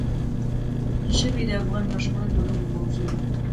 ژبې د افغان ماشومانو د لوبو موضوع ده.